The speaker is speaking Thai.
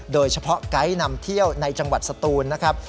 โดยเฉพาะไก๊ต์นำเที่ยวในจังหวัดสตูนนะครับ